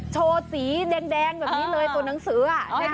โชว์สีแดงแบบนี้เลยตัวหนังสือ